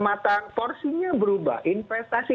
matang porsinya berubah investasi